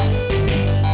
mohon diom ya